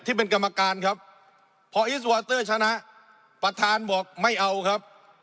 ที่เป็นกรรมการครับพออิสวอเตอร์ชนะประธานบอกไม่เอาครับ